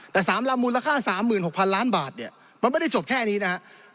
แต่สามลำมูลค่าสามหมื่นหกพันล้านบาทเนี่ยมันไม่ได้จบแค่นี้นะครับ